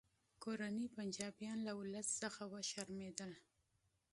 کورني پنجابیان له ولس څخه وشرمیدل